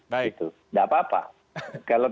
tidak apa apa kalau